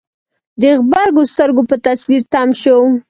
د غبرګو سترګو په تصوير تم شو.